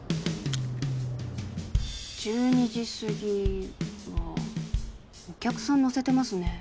１２時過ぎはお客さん乗せてますね。